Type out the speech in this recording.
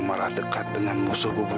bukankah turning listmu donw